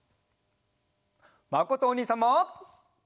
まことおにいさんも！